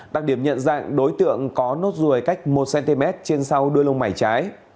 đặc điểm nhận dạng đối tượng có nốt ruồi cách một cm trên sau đuôi lông mày trái